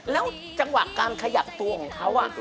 แล้วจังหวะการขยับตัวของเขา